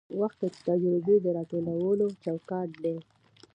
وخت د تجربې د راټولولو چوکاټ دی.